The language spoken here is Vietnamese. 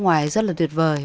ngoài rất là tuyệt vời